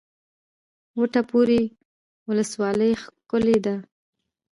وټه پور ولسوالۍ ښکلې ده؟